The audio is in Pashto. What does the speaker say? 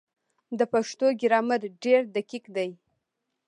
د پښتو ګرامر ډېر دقیق دی.